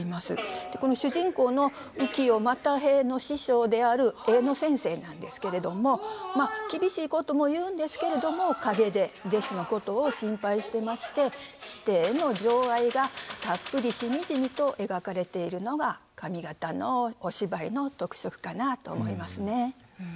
主人公の浮世又平の師匠である絵の先生なんですけれどもまあ厳しいことも言うんですけれども陰で弟子のことを心配してまして師弟の情愛がたっぷりしみじみと描かれているのが上方のお芝居の特色かなと思いますね。